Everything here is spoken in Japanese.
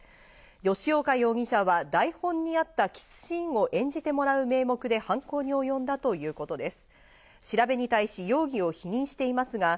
吉岡容疑者は台本にあったキスシーンを演じてもらう名目で犯行におよんだということです。